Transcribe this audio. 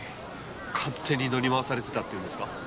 勝手に乗り回されてたって言うんですか？